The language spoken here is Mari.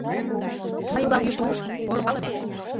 Мый улам Йӱштымуж — поро палыме.